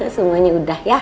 semuanya udah ya